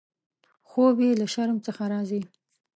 خوب یې له شرم څخه راځي.